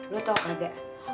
lo tau kagak